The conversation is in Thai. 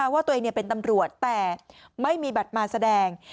ว่าตัวเองเป็นตำรวจแต่ไม่มีบัตรมาแสดง